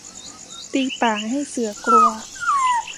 ตีป่าให้เสือกลัว